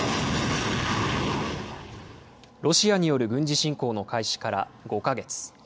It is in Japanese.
ロシアによる軍事侵攻の開始から５か月。